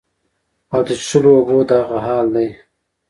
او د څښلو اوبو دغه حال دے